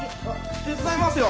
手伝いますよ。